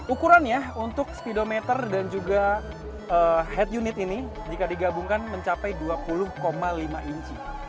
ukurannya untuk speedometer dan juga head unit ini jika digabungkan mencapai dua puluh lima inci